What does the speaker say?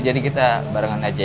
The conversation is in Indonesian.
jadi kita barengan aja ya